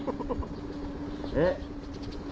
えっ？